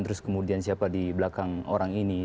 terus kemudian siapa di belakang orang ini